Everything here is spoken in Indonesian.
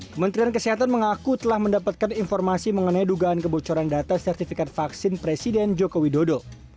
kementerian kesehatan mengaku telah mendapatkan informasi mengenai dugaan kebocoran data sertifikat vaksin presiden joko widodo